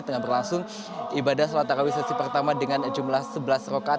tengah berlangsung ibadah sholat tarawih sesi pertama dengan jumlah sebelas rokat